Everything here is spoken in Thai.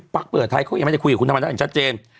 เผื่อไทยเขายังไม่ได้คุยกับคุณธรรมนัฐอย่างชัดเจน